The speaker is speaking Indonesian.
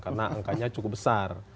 karena angkanya cukup besar